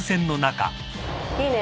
いいね。